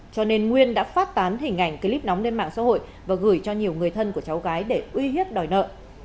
cho nên nguyên đã phát tán hình ảnh clip nóng lên mạng xã hội và gửi cho nhiều người thân của cháu gái để uy hiếp đòi nợ